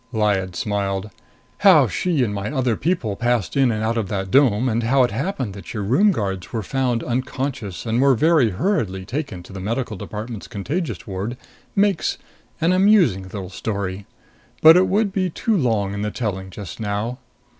Lyad smiled. "How she and my other people passed in and out of that dome, and how it happened that your room guards were found unconscious and were very hurriedly taken to the medical department's contagious ward, makes an amusing little story. But it would be too long in the telling just now.